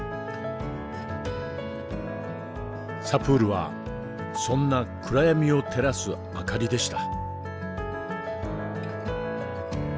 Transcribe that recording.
サプールはそんな暗闇を照らす明かりでした。